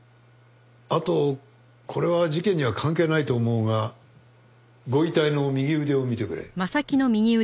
あとこれは事件には関係ないと思うがご遺体の右腕を見てくれ。